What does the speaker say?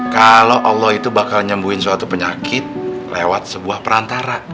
kalau allah itu bakal nyembuhin suatu penyakit lewat sebuah perantara